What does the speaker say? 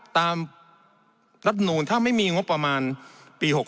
รัฐมนูลถ้าไม่มีงบประมาณปี๖๖